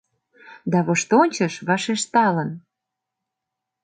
Да воштончыш вашешталын: